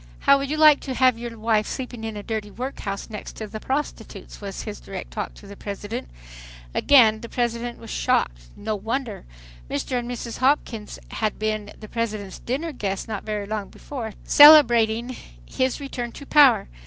"How would you like to have your wife sleep in a dirty workhouse next to prostitutes?" was his direct talk to the President. Again the President was "shocked." No wonder! Mr. and Mrs. Hopkins had been the President's dinner guests not very long before, celebrating his return to power.